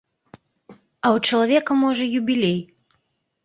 А ў чалавека, можа, юбілей!